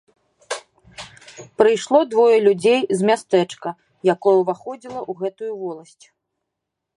Прыйшло двое людзей з мястэчка, якое ўваходзіла ў гэтую воласць.